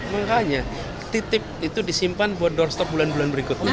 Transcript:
makanya titip itu disimpan buat doorstop bulan bulan berikutnya